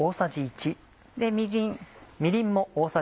みりん。